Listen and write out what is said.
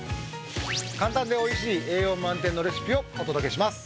簡単で美味しい栄養満点のレシピをお届けします。